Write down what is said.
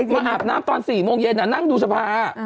มาอาบน้ำตอน๔โมงเย็นนั่งดูสภา